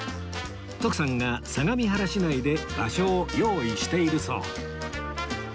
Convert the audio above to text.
徳さんが相模原市内で場所を用意しているそう